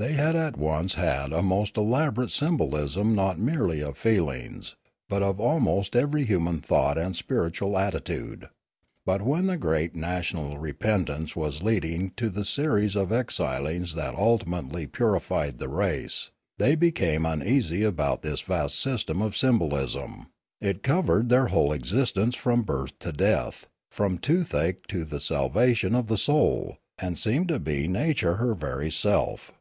They had Death 371 once had a most elaborate symbolism not merely of feel ings but of almost every human thought and spiritual attitude. But when the great national repentance was leading to the series of exilings that ultimately purified the race, they became uneasy about this vast system of symbolism; it covered their whole existence from birth to death, from toothache to the salvation of the soul, and seemed to be nature her very self.